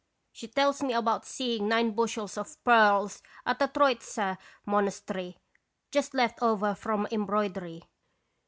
She tells me about see ing nine bushels of pearls at the Troitsa mon astery, just left over from embroidery.